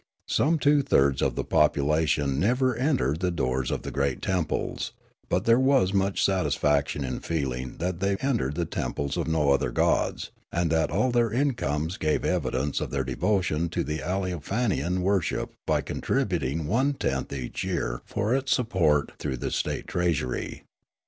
4$ Riallaro Some two thirds of the population never entered the doors of the great temples ; but there was much satis faction in feeling that they entered the temples of no other gods, and that all their incomes gave evidence of their devotion to the Aleofanian worship by contribut ing one tenth each year for its support through the state treasury.